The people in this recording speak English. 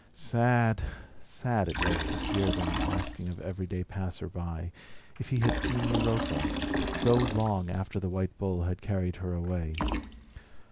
Sad, sad it was to hear them asking of every passerby if he had seen Europa, so long after the white bull had carried her away.